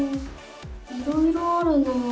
いろいろあるなあ。